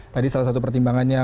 tadi salah satu pertimbangannya